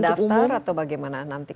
apakah perlu mendaftar atau bagaimana nanti